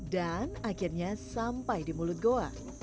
dan akhirnya sampai di mulut goa